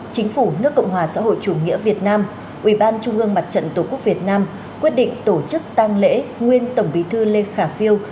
chính phủ nước cộng hòa xã hội chủ nghĩa việt nam ubnd tổ quốc việt nam quyết định tổ chức tăng lễ nguyên tổng bí thư lê khả phiêu